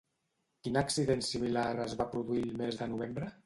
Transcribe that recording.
Quin accident similar es va produir el mes de novembre?